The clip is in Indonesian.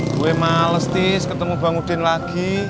gue males tis ketemu bang udin lagi